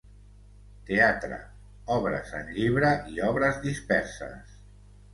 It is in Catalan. Teatre: obres en llibre i obres disperses.